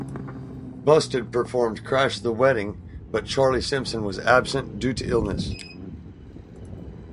Busted performed "Crashed the Wedding" but Charlie Simpson was absent due to illness.